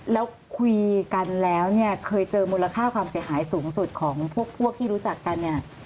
แล้วคุยกันแล้วเนี่ยเคยเจอมูลค่าความเสียหายสูงสุดของพวกที่รู้จักกันเนี่ย